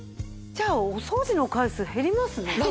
じゃあお掃除の回数減りますね。